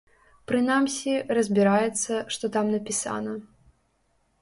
Прынамсі, разбіраецца, што там напісана.